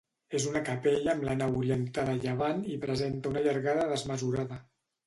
ÉS una capella amb la nau orientada a llevant i presenta una llargada desmesurada.